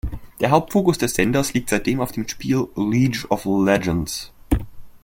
Der Hauptfokus des Senders liegt seitdem auf dem Spiel League of Legends.